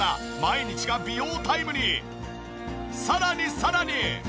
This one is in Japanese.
さらにさらに！